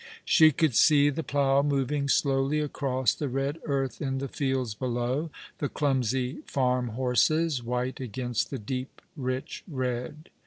She could see the plough moving slowly across the red earth in the fields below, the clumsy farm horses, white against the deep, rich red.